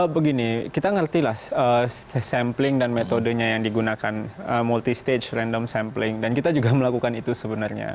begini kita mengerti sampling dan metodenya yang digunakan multi stage random sampling dan kita juga melakukan itu sebenarnya